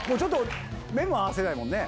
目も合わせないもんね。